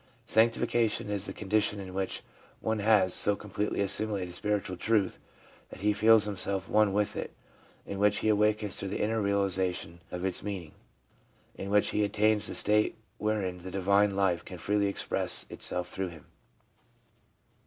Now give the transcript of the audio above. Sanctification is the con dition in which one has so completely assimilated spiritual truth that he feels himself one with it ; in which he awakens to the inner realisation of its mean ing ; in which he attains that state wherein the divine life can freely express itself through him.